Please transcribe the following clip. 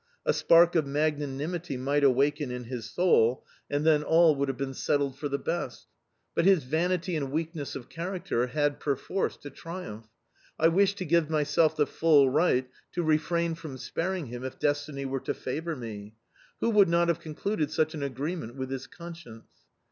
A spark of magnanimity might awake in his soul and then all would have been settled for the best. But his vanity and weakness of character had perforce to triumph!... I wished to give myself the full right to refrain from sparing him if destiny were to favour me. Who would not have concluded such an agreement with his conscience?